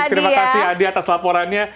terima kasih adi atas laporannya